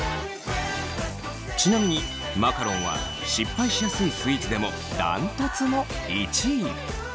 ちなみにマカロンは失敗しやすいスイーツでもダントツの１位。